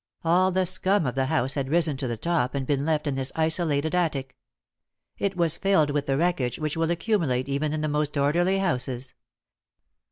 All the scum of the house had risen to the top and been left in this isolated attic. It was filled with the wreckage which will accumulate even in the most orderly houses.